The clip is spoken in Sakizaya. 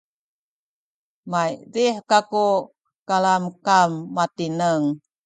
maydih kaku kalamkam matineng